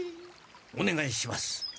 おねがいします。